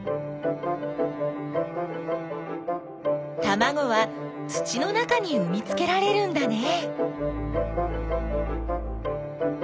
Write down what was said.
たまごは土の中にうみつけられるんだね。